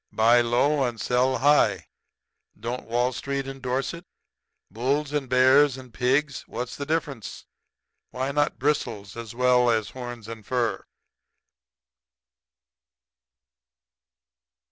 Buy low and sell high don't Wall Street endorse it? Bulls and bears and pigs what's the difference? Why not bristles as well as horns and fur?"